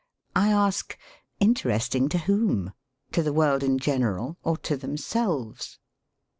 1 ask: "Interesting to whom? To the world in general or to themselves?"